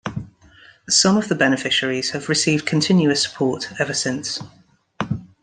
Some of the beneficiaries have received continuous support ever since.